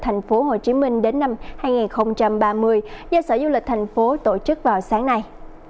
thành phố hồ chí minh đến năm hai nghìn ba mươi do sở du lịch thành phố tổ chức vào sáng nay